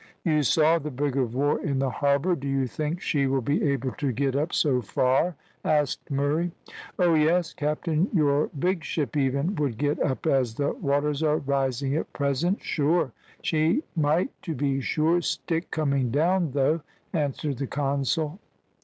"You saw the brig of war in the harbour, do you think she will be able to get up so far?" asked Murray. "Oh yes, captain; your big ship even would get up as the waters are rising at present, sure. She might, to be sure, stick coming down, though," answered the consul.